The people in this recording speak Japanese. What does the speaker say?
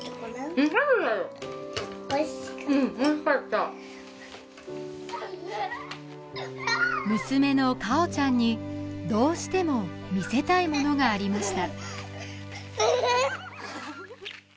うんおいしかった娘の果緒ちゃんにどうしても見せたいものがありました